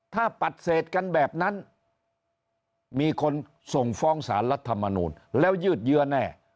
ถ้าปัดเศษกันแบบนั้นมีคนส่งฟ้องสารรัฐมนูลแล้วยืดเยื้อแน่